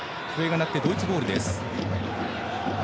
笛が鳴ってドイツボール。